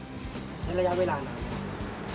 ในระยะเวลานาน